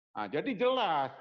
nah jadi jelas